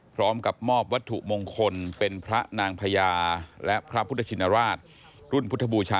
พร้อมกับมอบวัตถุมงคลเป็นพระนางพญาและพระพุทธชินราชรุ่นพุทธบูชา